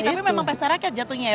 tapi memang pesta rakyat jatuhnya ya